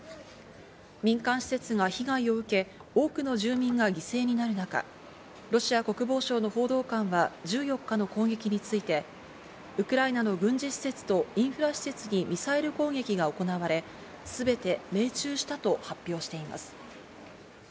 民間施設が被害を受け、多くの住民が犠牲になる中、ロシア国防省の報道官は１４日の攻撃について、ウクライナの軍事施設とインフラ施設にミサイル攻撃が行われ、全て命中したと発表しています。